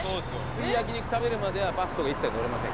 次焼肉食べるまではバスとか一切乗れませんから。